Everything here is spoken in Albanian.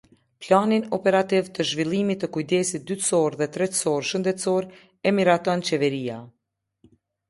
Planin operativ të zhvillimit të kujdesit dytësor dhe tretësor shëndetësor e miraton Qeveria.